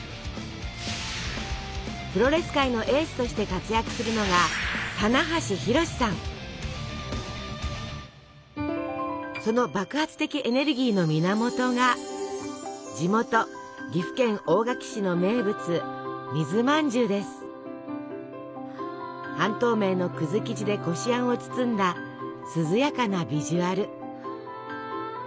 プロレス界のエースとして活躍するのがその爆発的エネルギーの源が地元岐阜県大垣市の名物半透明の生地でこしあんを包んだ涼やかなビジュアル。